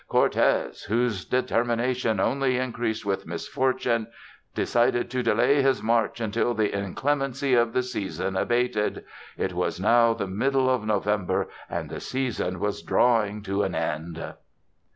Cortez, whose determination only increased with misfortune, decided to delay his march until the inclemency of the season abated.... It was now the middle of November, and the season was drawing to an end....